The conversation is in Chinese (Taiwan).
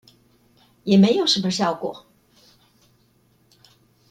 也沒什麼效果